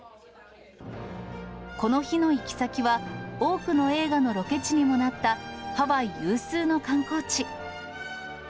この日の行き先は、多くの映画のロケ地にもなった、ハワイ有数の観光地。